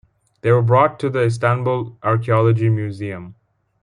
They were brought to the Istanbul Archaeology Museum.